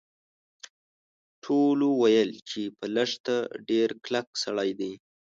ټولو ویل چې په لښته ډیر کلک سړی دی.